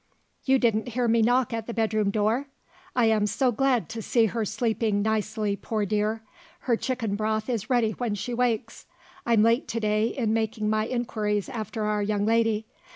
You didn't hear me knock at the bedroom door? I am so glad to see her sleeping nicely, poor dear! Her chicken broth is ready when she wakes. I'm late to day in making my inquiries after our young lady.